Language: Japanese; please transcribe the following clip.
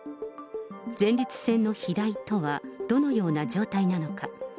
前立腺の肥大とは、どのような状態なのか。